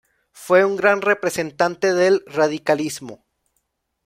Fue un gran representante del radicalismo.